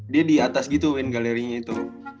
dia di atas gitu win galerinya itu